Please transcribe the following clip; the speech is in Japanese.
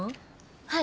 はい。